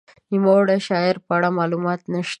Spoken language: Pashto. د نوموړې شاعرې په اړه معلومات نشته.